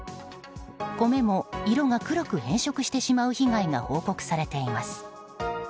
米も、色が黒く変色してしまう被害が報告されています。